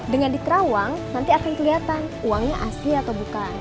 dengan di kerawang nanti akan kelihatan uangnya asli atau bukan